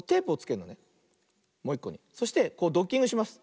そしてこうドッキングします。